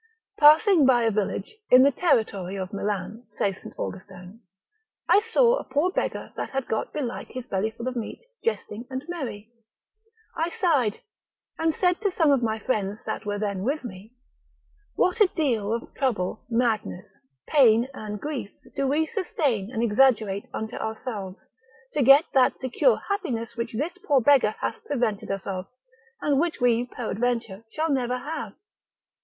Passing by a village in the territory of Milan, saith St. Austin, I saw a poor beggar that had got belike his bellyful of meat, jesting and merry; I sighed, and said to some of my friends that were then with me, what a deal of trouble, madness, pain and grief do we sustain and exaggerate unto ourselves, to get that secure happiness which this poor beggar hath prevented us of, and which we peradventure shall never have?